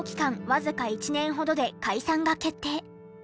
わずか１年ほどで解散が決定。